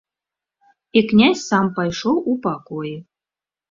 І князь сам пайшоў у пакоі.